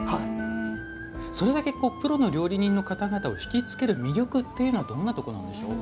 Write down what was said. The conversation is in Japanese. それだけプロの料理人の方々をひきつける魅力というのはどんなところなんでしょう？